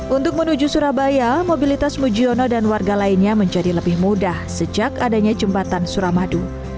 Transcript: untuk menuju surabaya mobilitas mujiono dan warga lainnya menjadi lebih mudah sejak adanya jembatan suramadu